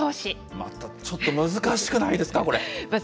またちょっと難しくないですか？